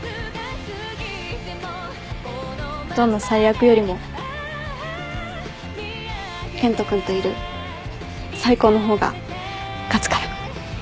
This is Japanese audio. どんな最悪よりも健人君といる最高の方が勝つから。